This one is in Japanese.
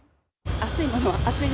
暑いものは暑い。